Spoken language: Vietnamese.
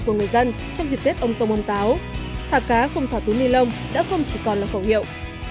những hành động kinh doanh của người dân trong dịp tết ông công ông táo thả cá không thả túi nilon đã không chỉ còn là khẩu hiệu